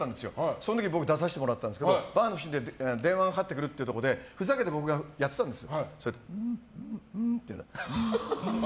その時に出させてもらったんですけどバーのシーンで電話がかかってくるというところでふざけて僕がやってたんです。